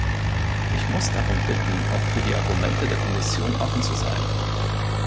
Ich muss darum bitten, auch für die Argumente der Kommission offen zu sein.